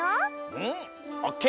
うんオッケー！